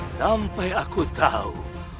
sampai aku tahu